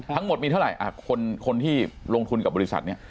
ทั้งหมดมีเท่าไหร่คนที่ลงทุนกับบริษัทนี้